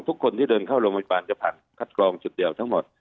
ทุกคนที่เดินเข้าโรงพยาบาลจะผ่านคัดกรองจุดเดียวทั้งหมด